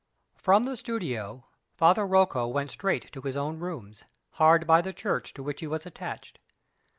From the studio Father Rocco went straight to his own rooms, hard by the church to which he was attached.